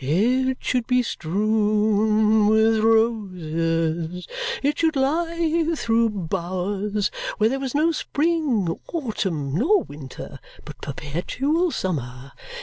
It should be strewn with roses; it should lie through bowers, where there was no spring, autumn, nor winter, but perpetual summer.